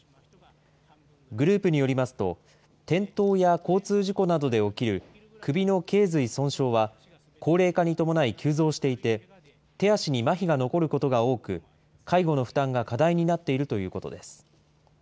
グループによりますと、転倒や交通事故などで起きる首のけい髄損傷は、高齢化に伴い急増していて、手足にまひが残ることが多く、介護の負担が課題になっているということです。